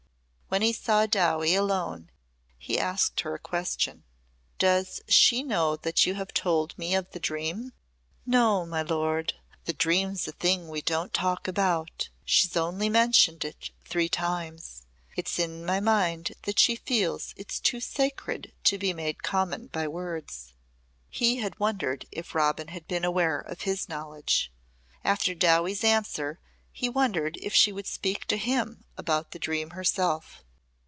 When he saw Dowie alone he asked her a question. "Does she know that you have told me of the dream?" "No, my lord. The dream's a thing we don't talk about. She's only mentioned it three times. It's in my mind that she feels it's too sacred to be made common by words." He had wondered if Robin had been aware of his knowledge. After Dowie's answer he wondered if she would speak to him about the dream herself.